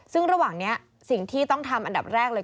ซึ่งระหว่างนี้สิ่งที่ต้องทำอันดับแรกเลย